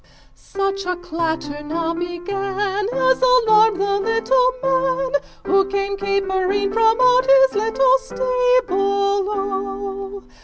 5 Such a clatter now began As alarmed the little man, Who came capering from out his little stable O!